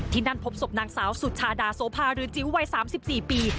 นั่นพบศพนางสาวสุชาดาโสภาหรือจิ๋ววัย๓๔ปี